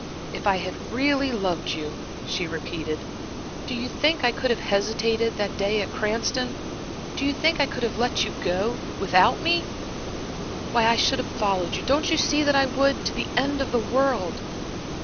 "If I had really loved you," she repeated "do you think I could have hesitated that day at Cranston? Do you think I could have let you go without me? Why, I should have followed you don't you see that I would? to the end of the world."